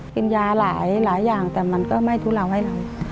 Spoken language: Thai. กินยาหลายอย่างแต่มันก็ไม่ทุเลาให้เรา